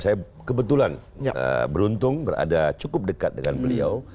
saya kebetulan beruntung berada cukup dekat dengan beliau